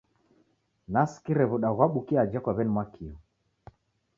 Nasikire w'uda ghwabukie aja kwa weni-Mwakio.